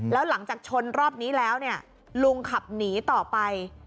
แล้วหลังจากชนรอบนี้แล้วเนี่ยลุงขับหนีต่อไป